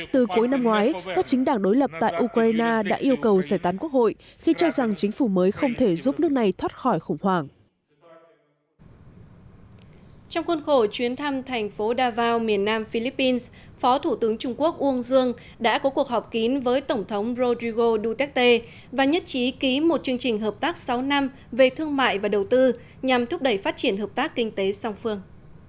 trong khuôn khổ chuyến thăm thành phố davao miền nam philippines phó thủ tướng trung quốc uông dương đã có cuộc họp kín với tổng thống rodrigo duterte và nhất trí ký một chương trình hợp tác sáu năm về thương mại và đầu tư nhằm thúc đẩy phát triển hợp tác kinh tế song phương